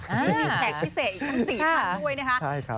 มีแผงพิเศษอีกทั้ง๔ครั้งด้วยนะครับใช่ครับ